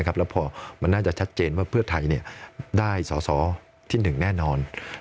แล้วพอมันน่าจะชัดเจนว่าเพื่อไทยได้สอสอที่๑แน่นอน